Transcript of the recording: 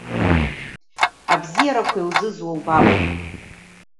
Абзиарақәа иузызуа убап.